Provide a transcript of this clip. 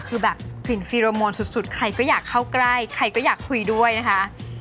คือแบบฝิ่นฟีโรโมนสุดใครก็อยากเข้าใกล้ใครก็อยากคุยด้วยนะคะ